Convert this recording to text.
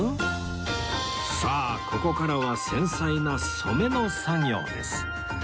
さあここからは繊細な染めの作業です